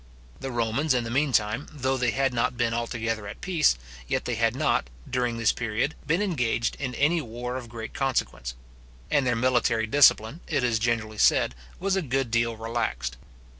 The Romans, in the meantime, though they had not been altogether at peace, yet they had not, during this period, been engaged in any war of very great consequence; and their military discipline, it is generally said, was a good deal relaxed.